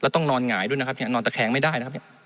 ต้องนอนหงายด้วยนอนแต่แข็งไม่ได้